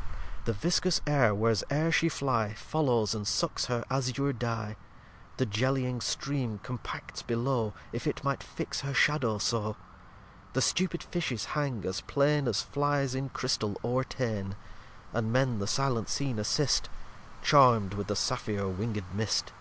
lxxxv The viscous Air, wheres'ere She fly, Follows and sucks her Azure dy; The gellying Stream compacts below, If it might fix her shadow so; The Stupid Fishes hang, as plain As Flies in Chrystal overt'ane, And Men the silent Scene assist, Charm'd with the saphir winged Mist.